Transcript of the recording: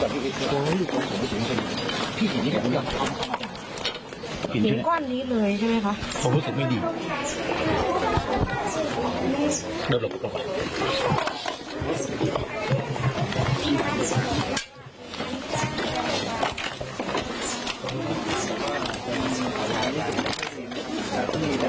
พี่ผมผมผมต้องบอกบนว่าพวกมันเห็นสารเก่าเก่าครับอืม